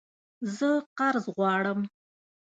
زه قرض غواړم